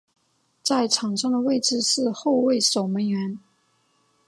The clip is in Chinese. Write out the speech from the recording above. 在场上的位置是后卫守门员。